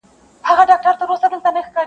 دا چي سپی دومره هوښیار دی او پوهېږي,